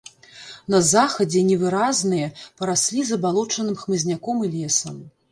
На захадзе невыразныя, параслі забалочаным хмызняком і лесам.